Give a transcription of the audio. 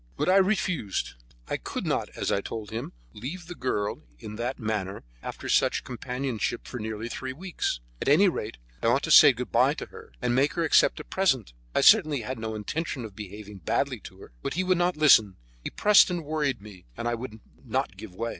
But I refused. I could not, as I told him, leave the girl in that manner after such companionship for nearly three weeks. At any rate, I ought to say good by to her, and make her accept a present; I certainly had no intention of behaving badly to her. But he would not listen; he pressed and worried me, but I would not give way.